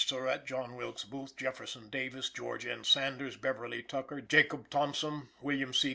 Surratt, John Wilkes Booth, Jefferson Davis, George N. Sanders, Beverley Tucker, Jacob Thompson, William C.